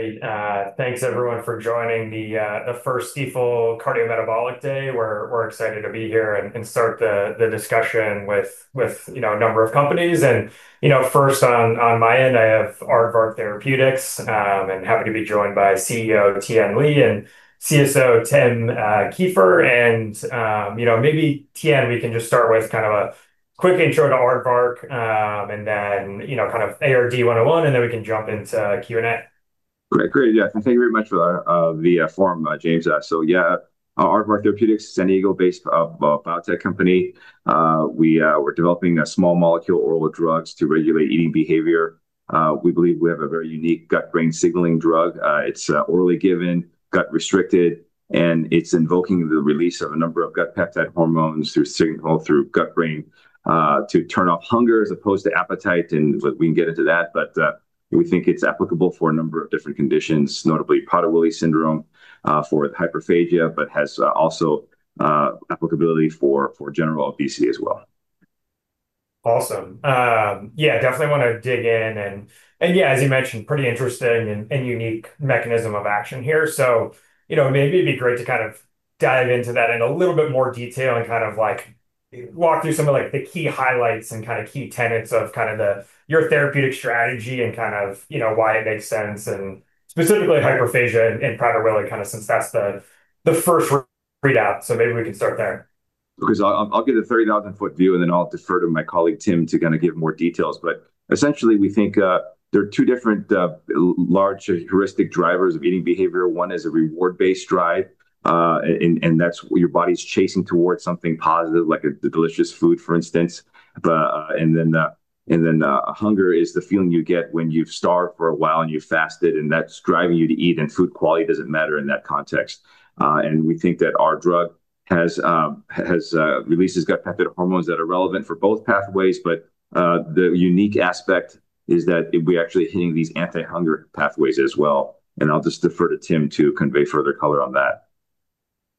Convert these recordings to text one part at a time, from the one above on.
Great. Thanks everyone for joining the first Stifel Cardiometabolic Day. We're excited to be here and start the discussion with a number of companies. First on my end I have Aardvark Therapeutics. Happy to be joined by CEO Tien Lee and CSO Tim Kieffer. Maybe Tien, we can just start with kind of a quick intro to Aardvark and then kind of ARD-101 and then we can jump into Q&A. Great. Thank you very much for the forum, James. Aardvark Therapeutics, San Diego-based biotech company. We're developing small molecule oral drugs to regulate eating behavior. We believe we have a very unique gut-brain signaling drug. It's orally given, gut-restricted, and it's invoking the release of a number of gut peptide hormones through signal through gut-brain to turn off hunger as opposed to appetite. We can get into that, but we think it's applicable for a number of different conditions, notably Prader-Willi syndrome for the hyperphagia, but has also applicability for general obesity as well. Awesome. Yeah, definitely want to dig in. As you mentioned, pretty interesting and unique mechanism of action here. Maybe it'd be great to dive into that in a little bit more detail and walk through some of the key highlights and key tenets of your therapeutic strategy and why it makes sense. Specifically, hyperphagia and Prader-Willi, since that's the first readout. Maybe we can start there because. I'll give the 30,000 ft view and then I'll defer to my colleague Tim to kind of give more details. Essentially, we think there are two different large heuristic drivers of eating behavior. One is a reward-based drive and that's your body's chasing towards something positive like a delicious food, for instance. Then hunger is the feeling you get when you've starved for a while and you fasted and that's driving you to eat. Food quality doesn't matter in that context. We think that our drug has releases gut peptide hormones that are relevant for both pathways. The unique aspect is that we're actually hitting these anti-hunger pathways as well. I'll just defer to Tim to convey further color on that.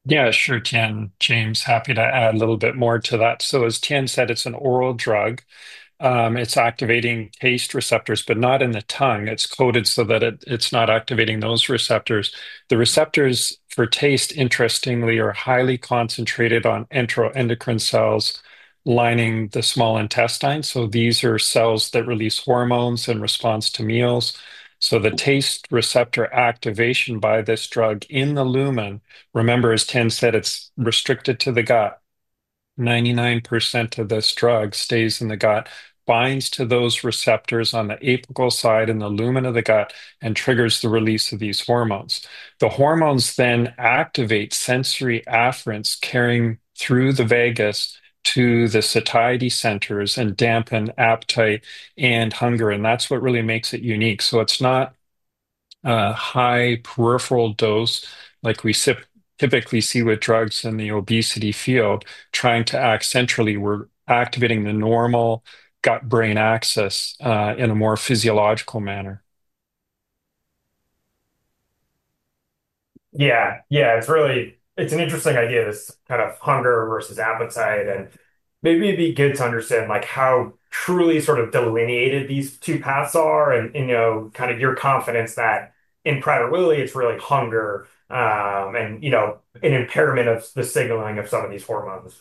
Yeah, sure, Tien. James, happy to add a little bit more to that. As Tien said, it's an oral drug, it's activating taste receptors but not in the tongue. It's coated so that it's not activating those receptors. The receptors for taste, interestingly, are highly concentrated on enteroendocrine cells lining the small intestine. These are cells that release hormones in response to meals. The taste receptor activation by this drug in the lumen, remember as Tim said, it's restricted to the gut. 99% of this drug stays in the gut, binds to those receptors on the apical side in the lumen, and triggers the release of these hormones. The hormones then activate sensory afferents carrying through the vagus to the satiety centers and dampen appetite and hunger. That's what really makes it unique. It's not high peripheral dose like we typically see with drugs in the obesity field trying to act centrally. We're activating the normal gut-brain axis in a more physiological manner. Yeah, it's really, it's an interesting idea, this kind of hunger versus appetite. Maybe it'd be good to understand how truly sort of delineated these two paths are and your confidence that in Prader-Willi it's really hunger and an impairment of the signaling of some of these hormones.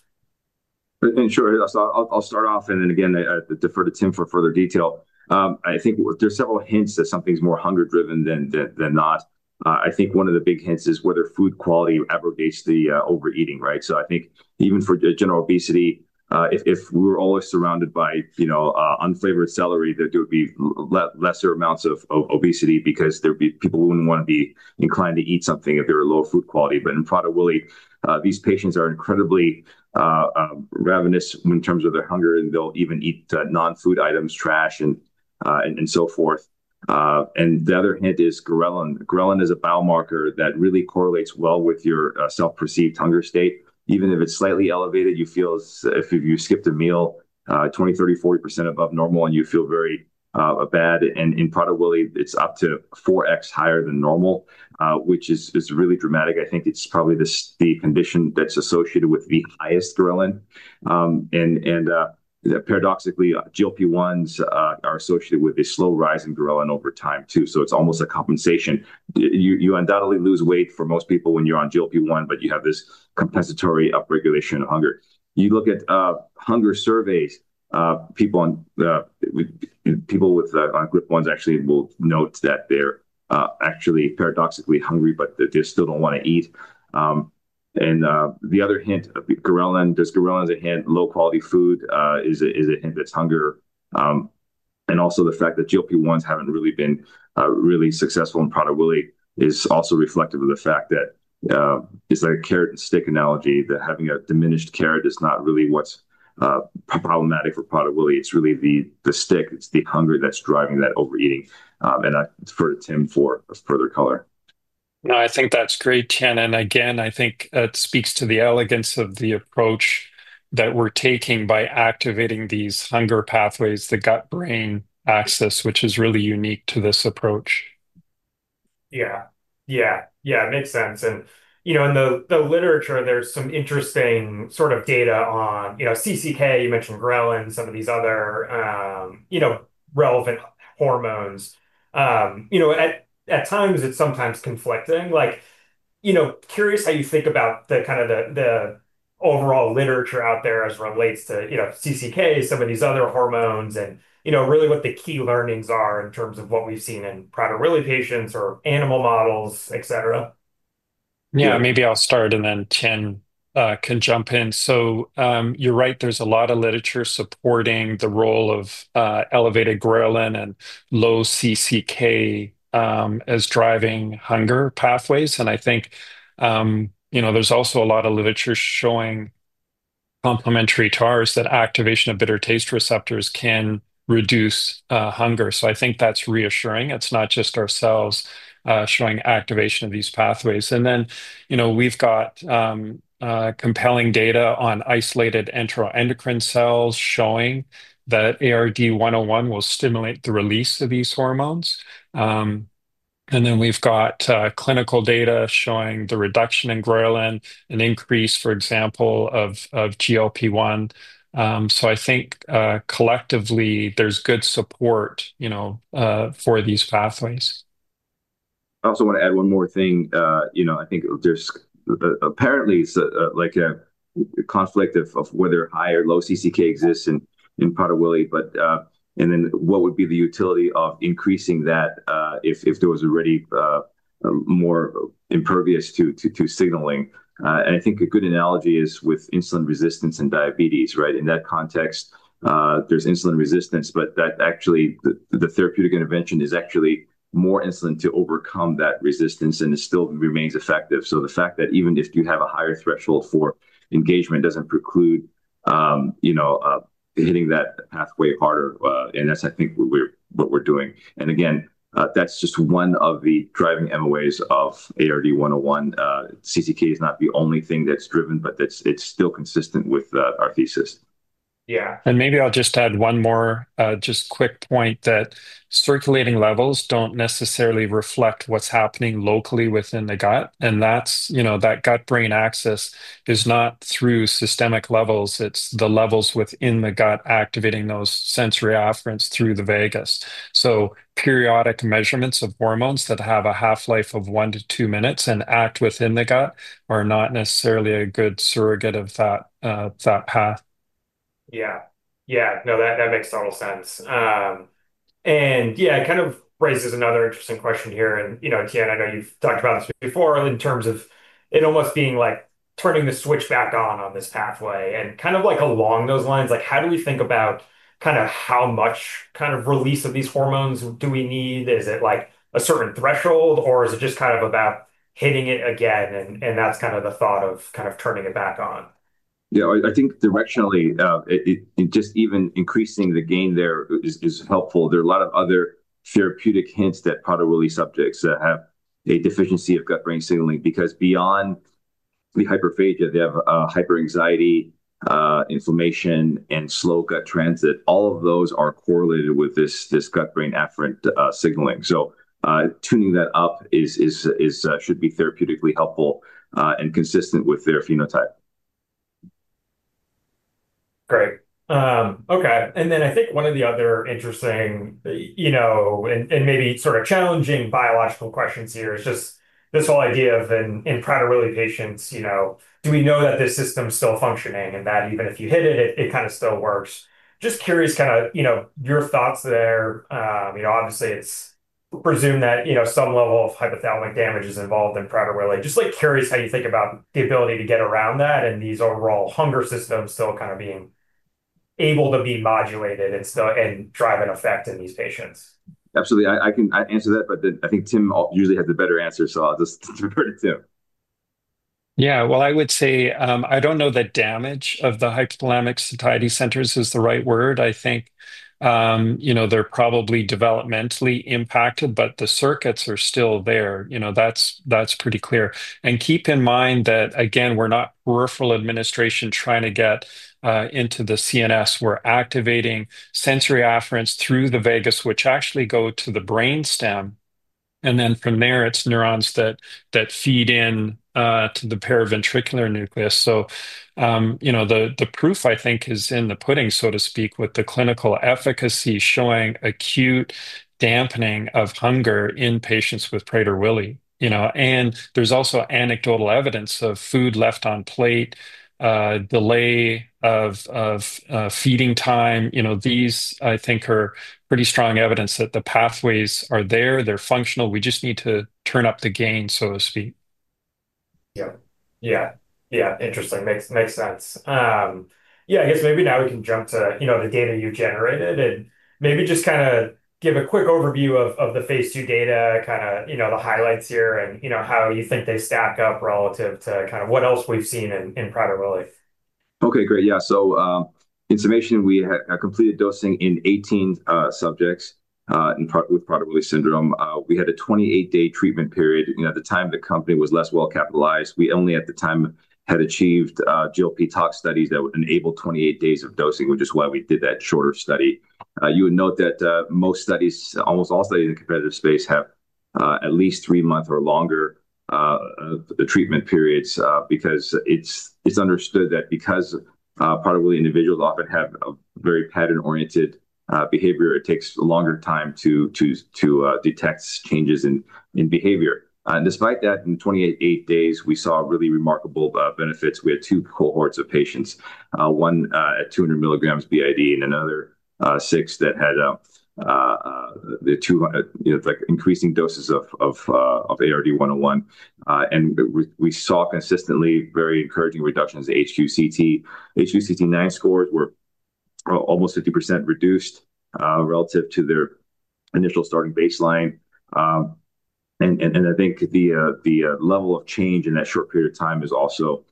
Sure. I'll start off and then again defer to Tim for further detail. I think there's several hints that something's more hunger driven than not. I think one of the big hints is whether food quality abrogates the overeating. Right. I think even for general obesity, if we were always surrounded by unflavored celery, there would be lesser amounts of obesity because there'd be people who wouldn't want to be inclined to eat something if they were low food quality. In Prader-Willi, these patients are incredibly ravenous in terms of their hunger and they'll even eat non-food items, trash and so forth. The other hint is ghrelin. Ghrelin is a biomarker that really correlates well with your self-perceived hunger state. Even if it's slightly elevated, you feel if you skipped a meal 20%, 30%, 40% above normal and you feel very bad. In Prader-Willi, it's up to 4x higher than normal, which is really dramatic. I think it's probably the condition that's associated with the highest ghrelin. Paradoxically, GLP-1 receptor agonists are associated with a slow rise in ghrelin over time too. It's almost a compensation. You undoubtedly lose weight for most people when you're on GLP-1, but you have this compensatory upregulation of hunger. You look at hunger surveys, people with GLP-1s actually will note that they're paradoxically hungry, but they just still don't want to eat. The other hint, ghrelin does, ghrelin as a hint, low quality food is a hint. That's hunger. Also, the fact that GLP-1s haven't really been really successful in Prader-Willi is also reflective of the fact that it's like a carrot and stick analogy, that having a diminished carrot is not really what's problematic for Prader-Willi. It's really the stick. It's the hunger that's driving that overeating. I defer to Tim for further color. No, I think that's great, Tien. I think it speaks to the elegance of the approach that we're taking by activating these hunger pathways, the gut-brain axis, which is really unique to this approach. Yeah, it makes sense. You know, in the literature there's some interesting sort of data on, you know, CCK, you mentioned ghrelin, some of these other relevant hormones. At times it's sometimes conflicting. Curious how you think about the overall literature out there as it relates to CCK, some of these other hormones, and really what the key learnings are in terms of what we've seen in Prader-Willi patients or animal models, etc. Yeah, maybe I'll start and then Tim can jump in. You're right. There's a lot of literature supporting the role of elevated ghrelin and low CCK as driving hunger pathways. I think there's also a lot of literature showing complementary data that activation of bitter taste receptors can reduce hunger. I think that's reassuring. It's not just ourselves showing activation of these pathways. We've got compelling data on isolated enteroendocrine cells showing that ARD-101 will stimulate the release of these hormones. We've got clinical data showing the reduction in ghrelin, an increase, for example, of GLP-1. I think collectively there's good support for these pathways. I also want to add one more thing. You know, I think there's apparently like conflict of whether high or low CCK exists in Prader-Willi. What would be the utility of increasing that if there was already more imperviousness to signaling? I think a good analogy is with insulin resistance and diabetes. In that context, there's insulin resistance, but the therapeutic intervention is actually more insulin to overcome that resistance, and it still remains effective. The fact that even if you have a higher threshold for engagement doesn't preclude hitting that pathway harder. I think that's what we're doing. That's just one of the driving mechanisms of action of ARD-101. CCT is not the only thing that's driven, but it's still consistent with our thesis. Yeah, maybe I'll just add one more quick point that circulating levels don't necessarily reflect what's happening locally within the gut. That's, you know, that gut-brain axis is not through systemic levels, the levels within the gut activating those sensory afferents through the vagus. Periodic measurements of hormones that have a half-life of one to two minutes and act within the gut are not necessarily a good surrogate of that path. Yeah, no, that makes total sense. It kind of raises another interesting question here. You know, Jens, I know you've talked about this before in terms of it almost being like turning the switch back on, on this pathway. Kind of along those lines, how do we think about how much release of these hormones do we need? Is it like a certain threshold, or is it just about hitting it again? That's kind of the thought of turning it back on. Yeah, I think directionally, just even increasing the gain there is helpful. There are a lot of other therapeutic hints that Prader-Willi subjects have a deficiency of gut-brain signaling because beyond the hyperphagia, they have hyper anxiety, inflammation, and slow gut transit. All of those are correlated with this gut-brain afferent signaling. Tuning that up should be therapeutically helpful and consistent with their phenotype. Great. Okay. I think one of the other interesting and maybe sort of challenging biological questions here is just this whole idea of, in Prader-Willi patients, do we know that this system's still functioning and that even if you hit it, it kind of still works? Just curious, kind of, your thoughts there. Obviously, it's presumed that some level of hypothalamic damage is involved in Prader-Willi. Just curious how you think about the ability to get around that, and these overall hunger systems still kind of being able to be modulated and still drive an effect in these patients? Absolutely, I can answer that. I think Tim usually has a better answer, so I'll just refer to Tim. I would say, I don't know that damage of the hypothalamic satiety centers is the right word. I think they're probably developmentally impacted, but the circuits are still there. That's pretty clear. Keep in mind that again, we're not peripheral administration trying to get into the CNS. We're activating sensory afferents through the vagus, which actually go to the brain stem, and then from there it's neurons that feed into the paraventricular nucleus. The proof, I think, is in the pudding, so to speak, with the clinical efficacy showing acute dampening of hunger in patients with Prader-Willi. There's also anecdotal evidence of food left on plate, delay of feeding time. These, I think, are pretty strong evidence that the pathways are there, they're functional. We just need to turn up the gain, so to speak. Interesting. Makes sense. I guess maybe now we can jump to the data you've generated and maybe just kind of give a quick overview of the Phase II data, the highlights here, and how do you think they stack up relative to what else we've seen in Prader-Willi. Okay, great. Yeah, so information. We completed dosing in 18 subjects with Prader-Willi syndrome. We had a 28-day treatment period. At the time the company was less well capitalized. We only at the time had achieved GLP tox studies that would enable 28 days of dosing, which is why we did that shorter study. You would note that most studies, almost all studies in the competitive space, have at least three months or longer treatment periods because it's understood that because probably individuals often have a very pattern-oriented behavior, it takes a longer time to detect changes in behavior. Despite that, in 28 days we saw really remarkable benefits. We had two cohorts of patients, one at 200 mg BID and another six that had increasing doses of ARD-101. We saw consistently very encouraging reductions in HQ-CT. HQ-CT9 scores were almost 50% reduced relative to their initial starting baseline. I think the level of change in that short period of time is also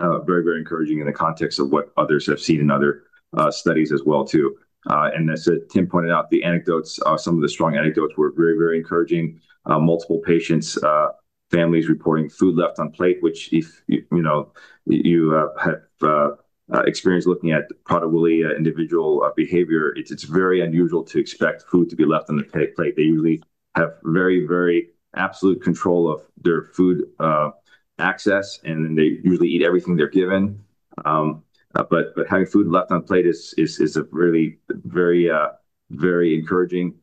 very, very encouraging in the context of what others have seen in other studies as well too. As Tim pointed out, the anecdotes, some of the strong anecdotes were very, very encouraging. Multiple patients, families reporting food left on plate, which if, you know, you have experience looking at Prader-Willi individual behavior, it's very unusual to expect food to be left on the plate. They usually have very, very absolute control of their food access and then they usually eat everything they're given. Having food left on plate is a really very, very encouraging.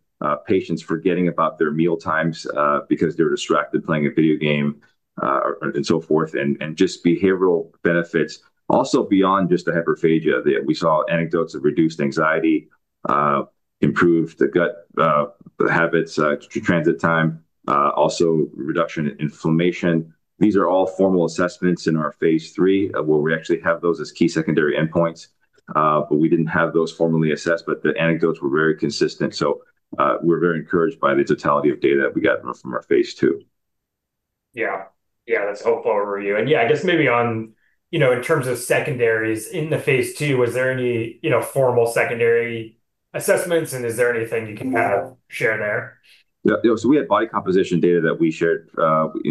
Patients forgetting about their meal times because they're distracted, playing a video game and so forth, and just behavioral benefits. Also beyond just the hyperphagia, we saw anecdotes of reduced anxiety, improved gut habits, transit time, also reduction in inflammation. These are all formal assessments in our Phase III where we actually have those as key secondary endpoints. We didn't have those formally assessed, but the anecdotes were very consistent. We're very encouraged by the totality of data we got from our Phase II. Yeah, that's helpful. I guess maybe in terms of secondaries in the Phase II, was there any formal secondary assessments, and is there anything you can kind of share there? We had body composition data that we shared.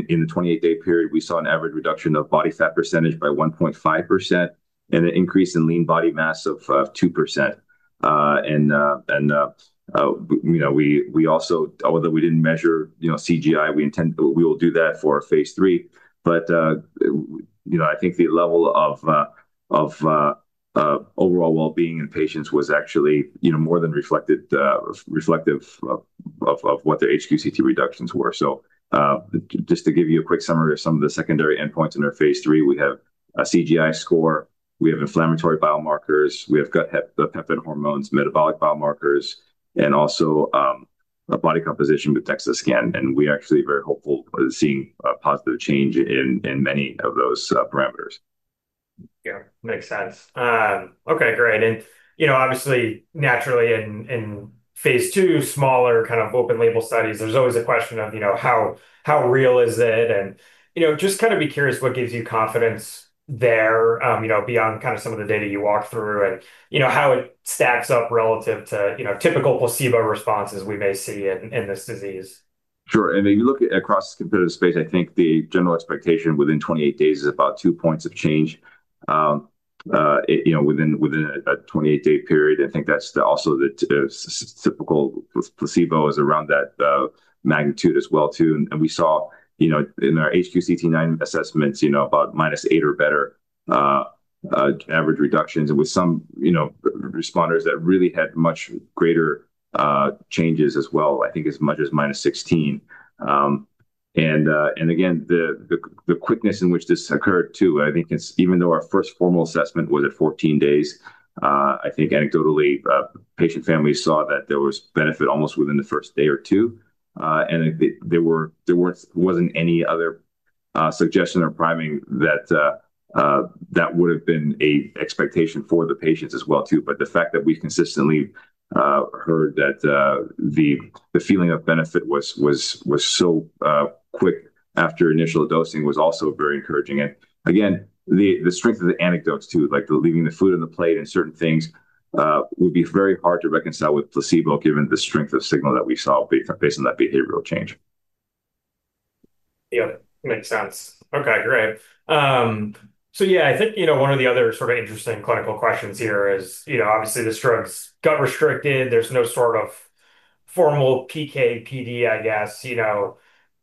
In the 28-day period, we saw an average reduction of body fat percentage by 1.5% and an increase in lean body mass of 2%. Although we didn't measure CGI, we will do that for Phase III. I think the level of. Overall. Being in patients was actually more than reflective of what their HQ-CT reductions were. Just to give you a quick summary of some of the secondary endpoints in their Phase III, we have a CGI score, we have inflammatory biomarkers, we have gut peptide hormones, metabolic biomarkers, and also a body composition with DEXA scan. We actually are very hopeful seeing a positive change in many of those parameters. Yeah, makes sense. Okay, great. Obviously, naturally in Phase II, smaller kind of open-label studies, there's always a question of how real is it, and just kind of be curious what gives you confidence there beyond some of the data you walk through and how it stacks up relative to typical placebo responses we may see in this disease. Sure. If you look across the competitive space, I think the general expectation within 28 days is about two points of change within a 28-day period. I think that's also the typical placebo, around that magnitude as well. We saw in our HQ-CT9 assessments about -8 or better average reductions, with some responders that really had much greater changes as well, I think as much as -16. The quickness in which this occurred too, even though our first formal assessment was at 14 days, I think anecdotally patient families saw that there was benefit almost within the first day or two, and there wasn't any other suggestion or priming that that would have been an expectation for the patients as well. The fact that we consistently heard that the feeling of benefit was so quick after initial dosing was also very encouraging. The strength of the anecdotes too, like leaving the food on the plate and certain things, would be very hard to reconcile with placebo given the strength of signal that we saw based on that behavioral change. Yep, makes sense. Okay, great. I think one of the other sort of interesting clinical questions here is, obviously this drug's gut-restricted. There's no sort of formal PK/PD. I guess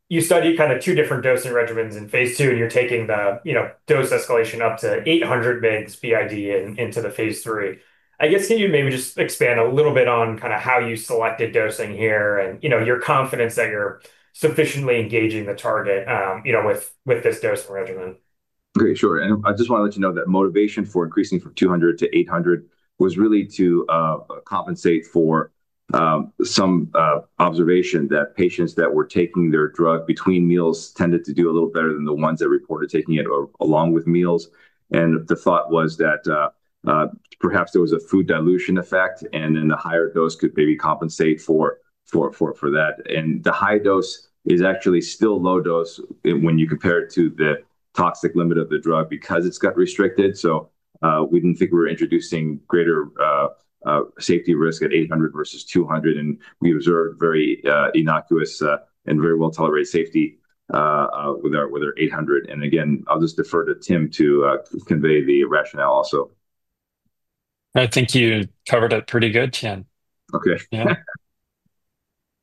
you studied kind of two different dosing regimens in Phase II, and you're taking the dose escalation up to 800 mg BID into the Phase III, I guess. Can you maybe just expand a little bit on kind of how you selected dosing here and your confidence that you're sufficiently engaging the target with this dosing regimen. Great, sure. I just want to let you know that motivation for increasing from 200-800 was really to compensate for some observation that patients that were taking their drug between meals tended to do a little better than the ones that reported taking it along with meals. The thought was that perhaps there was a food dilution effect and then the higher dose could maybe compensate for that. The high dose is actually still low dose when you compare it to the toxic limit of the drug because it's gut-restricted. We didn't think we were introducing greater safety risk at 800 versus 200. We observed very innocuous and very well tolerated safety with our 800. I'll just defer to Tim to convey the rationale also. I think you covered it pretty well, Tien. Okay.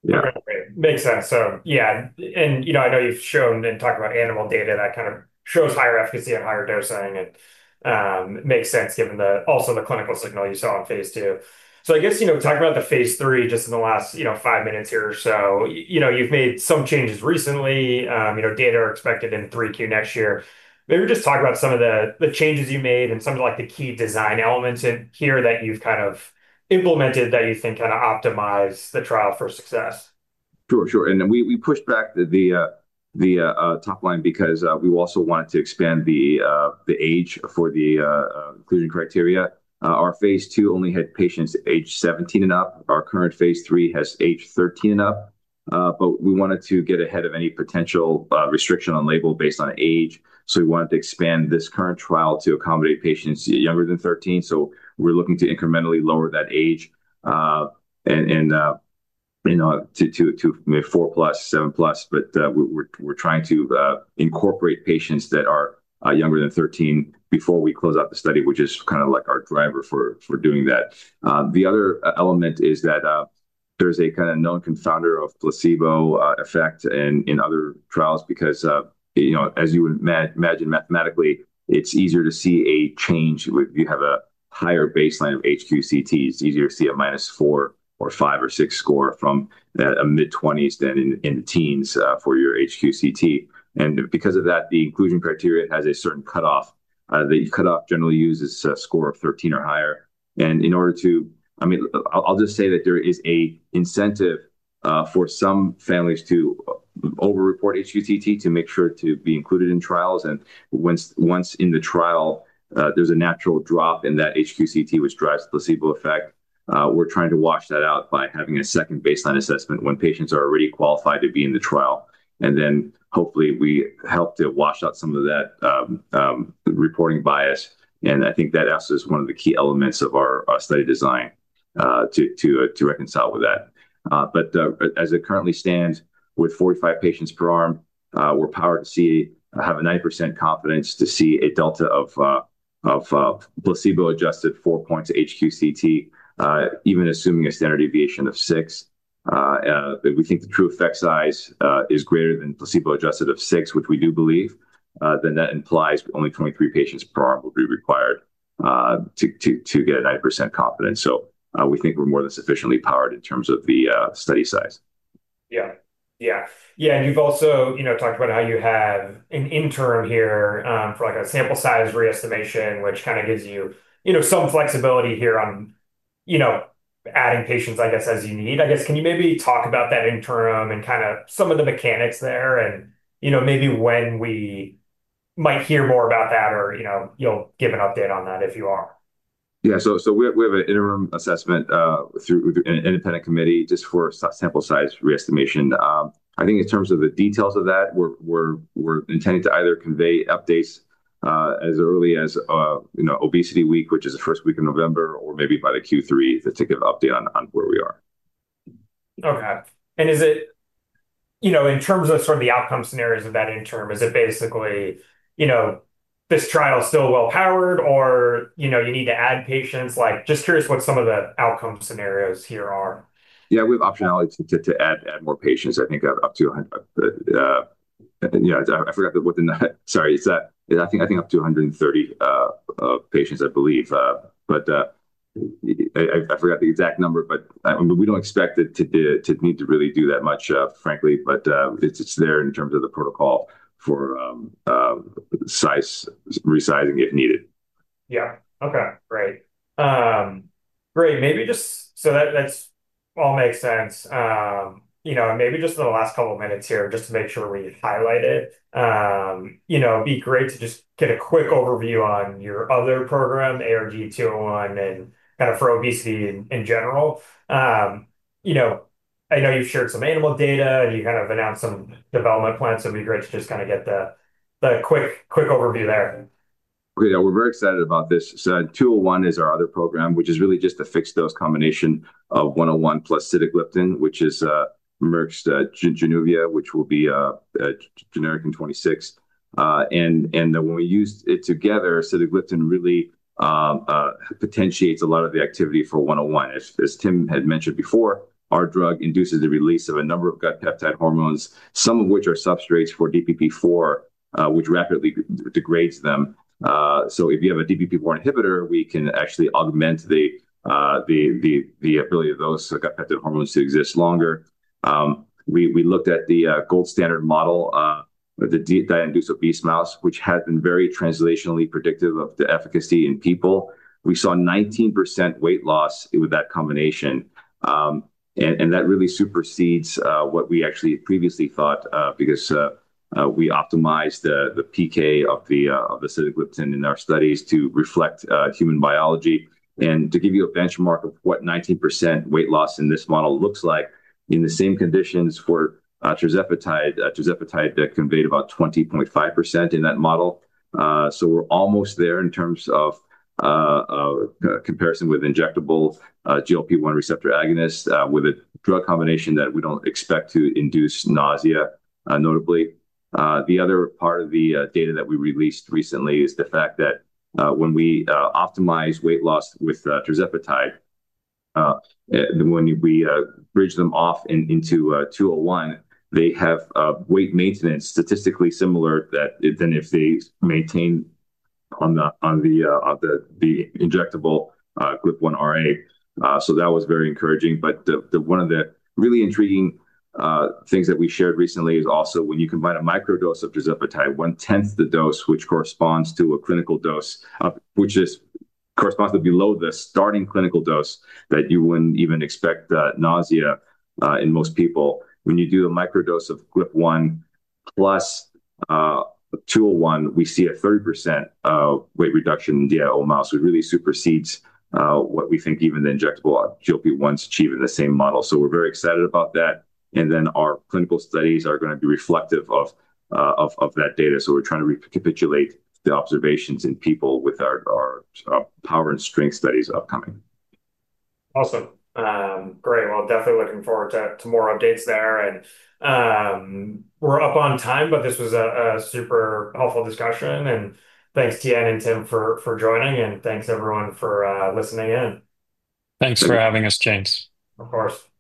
Yeah, great. Makes sense. I know you've shown and talked about animal data that kind of shows higher efficacy and higher dosing and makes sense given also the clinical signal you saw in Phase II. I guess, talking about the Phase III, just in the last five minutes here or so, you've made some changes recently. Data are expected in three cases next year. Maybe just talk about some of the changes you made and some of the key design elements in here that you've implemented that you think kind of optimize the trial for success. Sure, sure. We pushed back the top line because we also wanted to expand the age for the inclusion criteria. Our Phase II only had patients age 17 and up. Our current Phase III has age 13 and up. We wanted to get ahead of any potential restriction on label based on age. We wanted to expand this current trial to accommodate patients younger than 13. We're looking to incrementally lower that age, you know, to 4+, 7+. We're trying to incorporate patients that are younger than 13 before we close out the study, which is kind of like our driver for doing that. The other element is that there's a kind of known confounder of placebo effect in other trials because, as you would imagine, mathematically it's easier to see a change. You have a higher baseline of HQ-CT, it's easier to see a -4 or five or six score from mid-20s than in the teens for your HQ-CT. Because of that, the inclusion criteria has a certain cutoff that you cut off, generally uses a score of 13 or higher. In order to, I mean, I'll just say that there is an incentive for some families to over report HQ-CT to make sure to be included in trials. Once in the trial, there's a natural drop in that HQ-CT which drives the placebo effect. We're trying to wash that out by having a second baseline assessment when patients are already qualified to be in the trial. Hopefully we help to wash out some of that reporting bias. I think that is one of the key elements of our study design to reconcile with that. As it currently stands with 45 patients per arm, we're powered to have a 90% confidence to see a delta of placebo-adjusted four points HQ-CT, even assuming a standard deviation of six. We think the true effect size is greater than placebo-adjusted of six, which we do believe, then that implies only 23 patients per arm will be required to get a 90% confidence. We think we're more than sufficiently powered in terms of the study size. You've also talked about how you have an interim here for a sample size re-estimation, which kind of gives you some flexibility on adding patients as you need, I guess. Can you maybe talk about that interim and some of the mechanics there, and maybe when we might hear more about that or you'll give an update on that if you are. Yeah, we have an interim assessment through an independent committee just for sample size re-estimation. I think in terms of the details of that, we're intending to either convey updates as early as, you know, Obesity Week, which is the first week of November, or maybe by the Q3 update on where we are. In terms of the outcome scenarios of that interim, is it basically, you know, this trial is still well powered or you need to add patients? Just curious what some of the outcome scenarios here are. Yeah, we have optionality to add more patients, I think up to 100. I think up to 130 patients, I believe, but I forgot the exact number. We don't expect it to need to really do that much, frankly. It's there in terms of the protocol for size resizing if needed. Okay, right, great. Maybe just so that all makes sense, maybe just in the last couple of minutes here, just to make sure we highlight it, it'd be great to just get a quick overview on your other program, ARD-201, and kind of for obesity in general. I know you've shared some animal data and you announced some development plans. It'd be great to just get the quick overview there. Great, we're very excited about this. 201 is our other program, which is really just a fixed dose combination of ARD-101/sitagliptin, which is Merck's Januvia, which will be generic in 2026. When we used it together, sitagliptin really potentiates a lot of the activity for ARD-101. As Tim had mentioned before, our drug induces the release of a number of gut peptide hormones, some of which are substrates for DPP-4, which rapidly degrades them. If you have a DPP-4 inhibitor, we can actually augment the hormones to exist longer. We looked at the gold standard model, the diet-induced obese mouse, which has been very translationally predictive of the efficacy in people. We saw 19% weight loss with that combination and that really supersedes what we actually previously thought because we optimized the PK of sitagliptin in our studies to reflect human biology and to give you a benchmark of what 19% weight loss in this model looks like in the same conditions for tirzepatide. Tirzepatide conveyed about 20.5% in that model. We're almost there in terms of comparison with injectable GLP-1 receptor agonists with a drug combination that we don't expect to induce nausea. Notably, the other part of the data that we released recently is the fact that when we optimize weight loss with tirzepatide, when we bridge them off into ARD-201, they have weight maintenance statistically similar than if they maintain on the injectable GLP-1RA. That was very encouraging. One of the really intriguing things that we shared recently is also when you combine a microdose of tirzepatide, 1/10 the dose, which corresponds to a clinical dose up, which corresponds to below the starting clinical dose that you wouldn't even expect nausea in most people. When you do the microdose of GLP-1 plus ARD-201, we see a 30% weight reduction in DIO mouse. It really supersedes what we think even the injectable GLP-1s achieve in the same model. We're very excited about that and our clinical studies are going to be reflective of that data. We're trying to recapitulate the observations in people with our power and strength studies upcoming. Awesome. Great. Definitely looking forward to more updates there, and we're up on time, but this was a super helpful discussion. Thanks, Tien and Tim, for joining, and thanks everyone for listening in. Thanks for having us, James Of course.